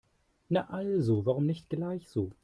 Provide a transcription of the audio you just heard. Na also, warum nicht gleich so?